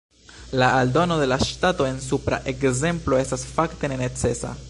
La aldono de la ŝtato en supra ekzemplo estas fakte ne necesa.